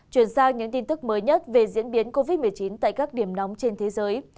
chuyển sang những tin tức mới nhất về diễn biến covid một mươi chín tại các điểm nóng trên thế giới